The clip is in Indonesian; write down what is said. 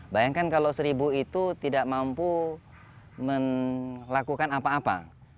bayangkan kalau seribu itu tidak mampu melakukan apa apa